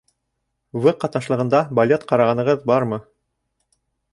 В. ҡатнашлығында балет ҡарағанығыҙ бармы?